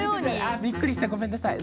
あびっくりしたごめんなさい